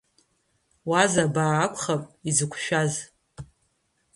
Уазабаа акәхап изықәшәаз.